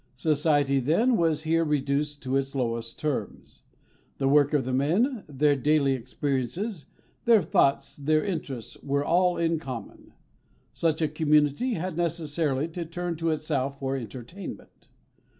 Society, then, was here reduced to its lowest terms. The work of the men, their daily experiences, their thoughts, their interests, were all in common. Such a community had necessarily to turn to itself for entertainment.